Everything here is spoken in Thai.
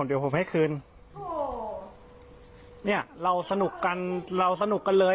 เดี๋ยวผมให้คืนโอ้โหเนี่ยเราสนุกกันเราสนุกกันเลย